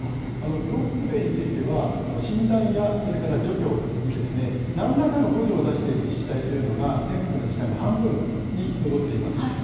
ブロック塀については診断や、あるいは除去に何らかの補助を出している自治体が全国の自治体の半分に上っています。